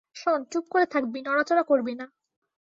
শোন, চুপ করে থাকবি নড়াচড়া করবি না।